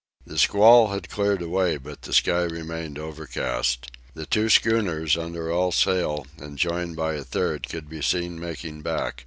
The squall had cleared away, but the sky remained overcast. The two schooners, under all sail and joined by a third, could be seen making back.